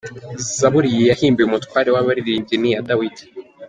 Zaburi iyi yahimbiwe umutware w’abaririmbyi. Ni iya Dawidi.